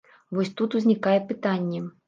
Вось тут узнікае пытанне.